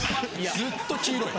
ずっと黄色い。